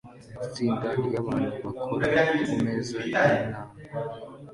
Itsinda ryabantu bakora kumeza yinama